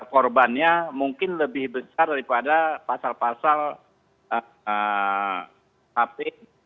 korbannya mungkin lebih besar daripada pasal pasal hp